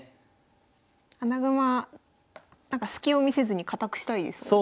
穴熊スキを見せずに堅くしたいですよね。